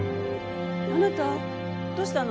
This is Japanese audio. あなたどうしたの？